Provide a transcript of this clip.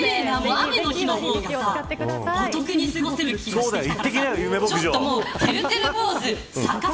雨の日の方がお得に過ごせる気がしてきた。